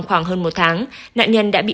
khoảng hơn một tháng nạn nhân đã bị